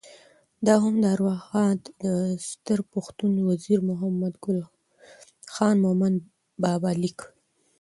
دا هم د ارواښاد ستر پښتون وزیر محمد ګل خان مومند بابا لیک: